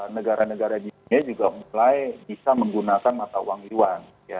negara negara di dunia juga mulai bisa menggunakan mata uang yuan